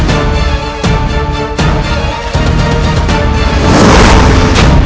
aku akan menemukanmu